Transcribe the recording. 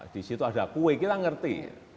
di situ ada kue kita ngerti